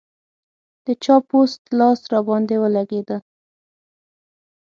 د چا پوست لاس راباندې ولګېد.